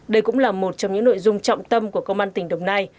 đây cũng là một trong những nội dung trọng tâm của công an tỉnh đồng nai